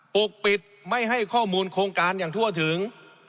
ปกปิดไม่ให้ข้อมูลโครงการอย่างทั่วถึง